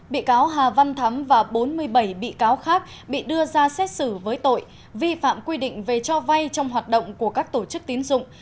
bị cáo hà văn thắm và bốn mươi bảy bị cáo khác bị đưa ra xét xử với tội vi phạm quy định về cho vay trong hoạt động của các tổ chức tín dụng